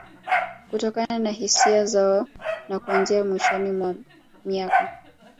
Kutokana na hisia zao na kuanzia mwishoni mwa miaka